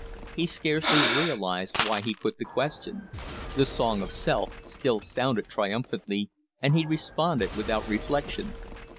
He scarcely realized why he put the question. The song of Self still sounded triumphantly, and he responded without reflection.